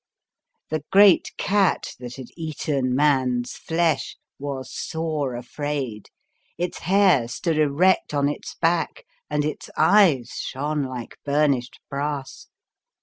The great cat that had eaten man's flesh was sore afraid, its hair stood erect on its back and its eyes shone like burnished brass.